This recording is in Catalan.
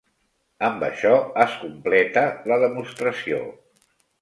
Amb això es completa la demostració.